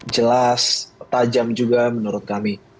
jelas tajam juga menurut kami